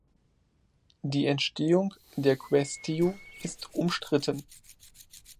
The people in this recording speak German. Die Entstehung der Quaestio ist umstritten.